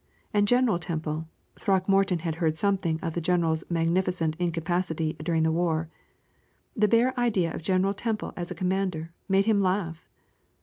And General Temple Throckmorton had heard something of the general's magnificent incapacity during the war the bare idea of General Temple as a commander made him laugh.